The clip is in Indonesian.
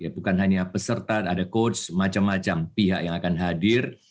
bukan hanya peserta ada coach macam macam pihak yang akan hadir